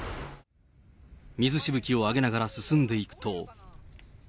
水しぶきを上げながら進んでいくと。